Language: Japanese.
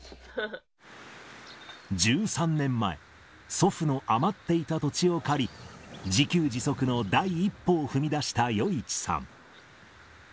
１３年前、祖父の余っていた土地を借り、自給自足の第一歩を踏み出した余一さん。